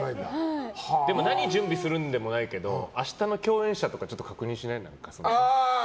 でも、何準備するでもないけど明日の共演者とか確認しない？